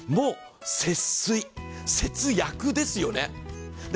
節水、節約ですよね。